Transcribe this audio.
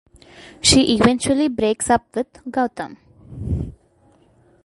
She eventually breaks up with Gautham.